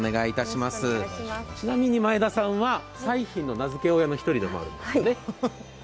ちなみに前田さんは彩浜の名付け親のお一人だそうですね。